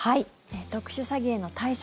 特殊詐欺への対策